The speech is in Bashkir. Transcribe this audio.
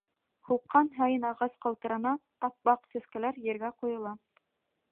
Һуҡҡан һайын ағас ҡалтырана, ап-аҡ сәскәләр ергә ҡойола.